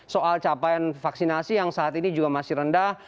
soal capaian vaksinasi yang saat ini juga masih rendah